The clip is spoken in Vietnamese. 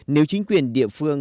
nếu chính quyền địa phương